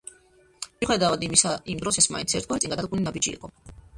მიუხედავად ამისა, იმ დროს ეს მაინც ერთგვარი წინგადადგმული ნაბიჯი იყო.